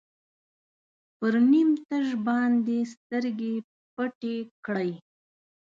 پر نیم تش باندې سترګې پټې کړئ.